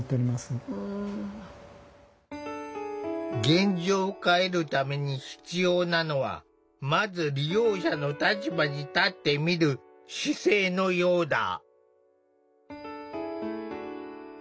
現状を変えるために必要なのはまず利用者の立場に立ってみる姿勢のようだ。